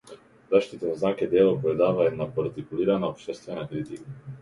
Заштитен знак е дело кое дава една поартикулирана општествена критика.